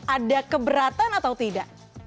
ada keberatan atau tidak